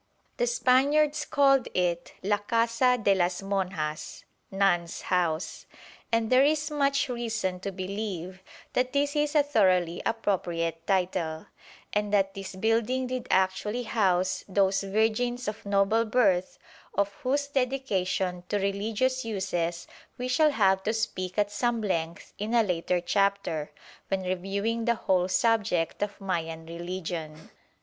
The Spaniards called it "La Casa de las Monjas" (Nuns' House), and there is much reason to believe that this is a thoroughly appropriate title, and that this building did actually house those virgins of noble birth of whose dedication to religious uses we shall have to speak at some length in a later chapter, when reviewing the whole subject of Mayan religion.